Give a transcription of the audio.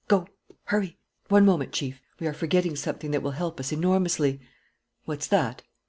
Go! Hurry!" "One moment, Chief; we are forgetting something that will help us enormously." "What's that?"